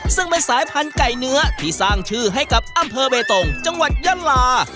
ซึ่งเป็นสายพันธุ์ไก่เนื้อที่สร้างชื่อให้กับอำเภอเบตงจังหวัดยะลา